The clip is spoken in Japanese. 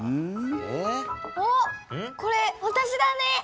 おっこれわたしだね。